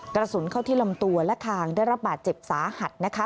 กระสุนเข้าที่ลำตัวและคางได้รับบาดเจ็บสาหัสนะคะ